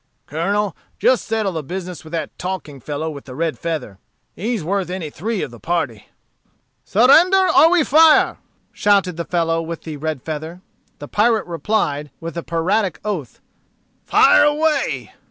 Colonel, just settle the business with that talking fellow with the red feather. He's worth any three of the party." "Surrender, or we fire!" shouted the fellow with the red feather. The pirate replied, with a piratic oath, "Fire away."